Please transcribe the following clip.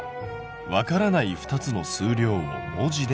「わからない２つの数量を文字で表す」。